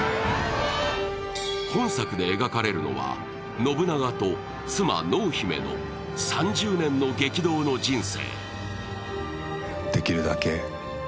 本作で描かれるのは信長と妻・濃姫の３０年の激動の人生。